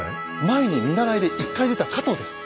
前に見習いで１回出た加藤です。